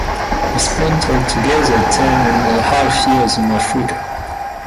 He spent altogether ten and a half years in Africa.